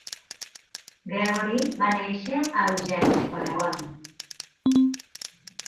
Gregory va néixer a Eugene, Oregon.